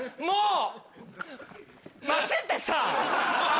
もう。